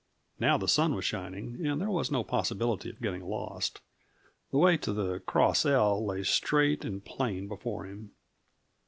Now the sun was shining, and there was no possibility of getting lost. The way to the Cross L lay straight and plain before him.